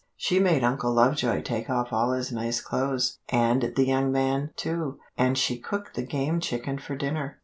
She made Uncle Lovejoy take off all his nice clothes, and the young man, too, and she cooked the game chicken for dinner.